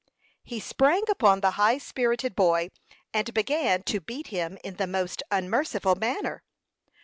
He sprang upon the high spirited boy, and began to beat him in the most unmerciful manner.